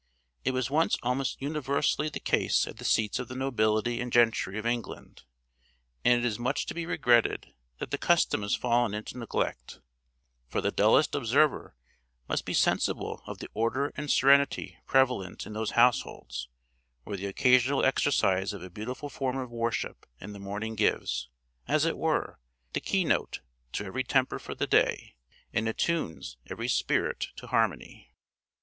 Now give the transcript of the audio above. It was once almost universally the case at the seats of the nobility and gentry of England, and it is much to be regretted that the custom is fallen into neglect; for the dullest observer must be sensible of the order and serenity prevalent in those households, where the occasional exercise of a beautiful form of worship in the morning gives, as it were, the key note to every temper for the day, and attunes every spirit to harmony.